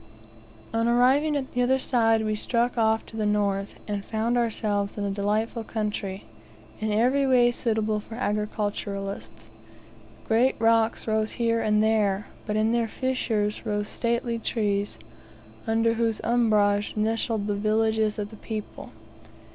On arriving at the other side, we struck off to the north, and found ourselves in a delightful country, in every way suitable for agriculturists. Great rocks rose here and there, but in their fissures rose stately trees, under whose umbrage nestled the villages of the people.